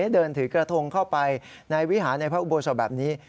เดินถือกระทงเข้าไปในวิหารในพระอุโบสถแบบนี้